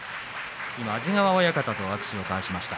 安治川親方と握手を交わしました。